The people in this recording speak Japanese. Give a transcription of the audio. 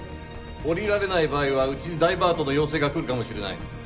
降りられない場合はうちにダイバートの要請がくるかもしれない。